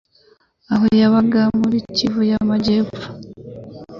aho yabaga muri Kivu y'amajyepfo,